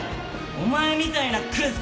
お前みたいなクズ